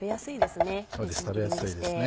食べやすいですね。